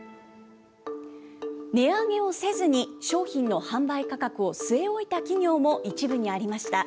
値上げをせずに商品の販売価格を据え置いた企業も一部にありました。